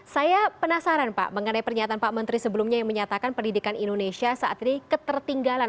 saya penasaran pak mengenai pernyataan pak menteri sebelumnya yang menyatakan pendidikan indonesia saat ini ketertinggalan